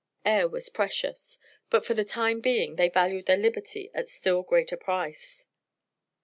Air was precious, but for the time being they valued their liberty at still greater price.